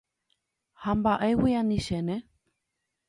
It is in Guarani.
Ha mba'égui anichéne.